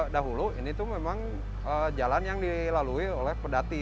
dahulu ini tuh memang jalan yang dilalui oleh pedati